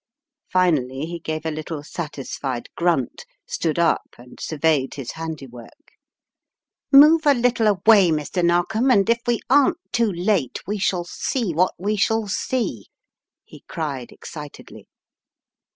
Finally he gave a little satisfied grunt, stood up, and surveyed his handiwork. "Move a little away, Mr. Narkom, and if we aren't too late, we shall see what we shall see," he cried, excitedly.